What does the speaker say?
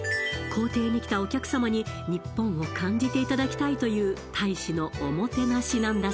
公邸に来たお客様に日本を感じていただきたいという大使のおもてなしなんだ